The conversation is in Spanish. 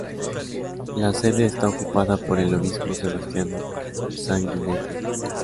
La sede está ocupada por el obispo Sebastiano Sanguinetti.